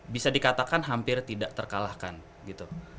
bisa dikatakan hampir tidak terkalahkan gitu